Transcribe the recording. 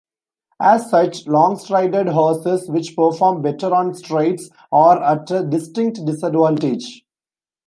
As such, long-strided horses, which perform better on straights, are at a distinct disadvantage.